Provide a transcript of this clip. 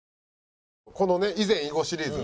このね以前以後シリーズ